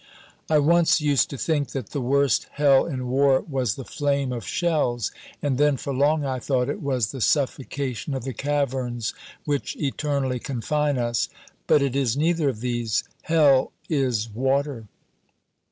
I once used to think that the worst hell in war was the flame of shells; and then for long I thought it was the suffocation of the caverns which eternally confine us. But it is neither of these. Hell is water.